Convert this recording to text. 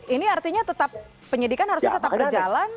ini artinya tetap penyidikan harusnya tetap berjalan